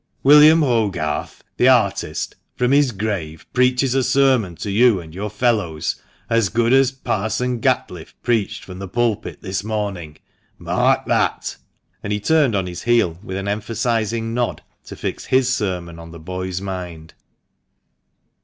William Hogarth, the artist, from his grave preaches a sermon to you and your fellows as good as Parson Gatliffe preached from the pulpit this morning, mark that !" and he turned on his heel with an emphasising nod to fix his sermon on the boy's mind.